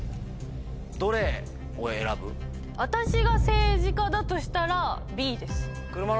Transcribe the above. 私が政治家だとしたら。